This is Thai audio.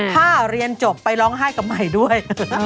ถ้าเรียนจบไปร้องไห้กับใหม่ด้วย